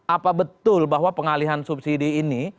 apa betul bahwa pengalihan subsidi ini